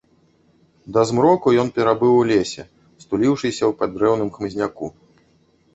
Да змроку ён перабыў у лесе, стуліўшыся ў паддрэўным хмызняку.